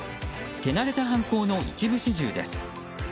手慣れた犯行の一部始終です。